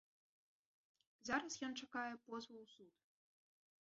Зараз ён чакае позву ў суд.